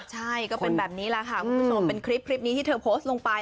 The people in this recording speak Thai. ใช่ก็เป็นแบบนี้แหละค่ะคุณผู้ชมเป็นคลิปนี้ที่เธอโพสต์ลงไป